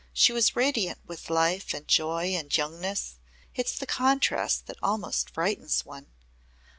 She was radiant with life and joy and youngness. It's the contrast that almost frightens one.